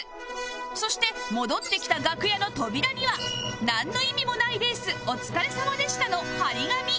そして戻ってきた楽屋の扉には「なんの意味もないレースお疲れさまでした」の貼り紙